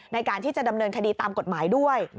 ในการที่จะดำเนินคดีตามกฎหมายด้วย